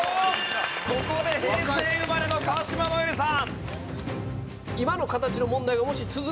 ここで平成生まれの川島如恵留さん。